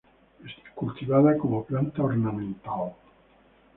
Es cultivada como planta ornamental.